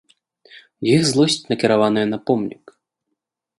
Іх злосць накіраваная на помнік.